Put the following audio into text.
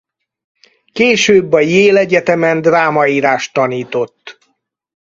Később a Yale Egyetemen drámaírást tanított.